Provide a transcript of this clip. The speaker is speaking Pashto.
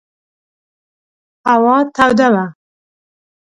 هوا توده وه.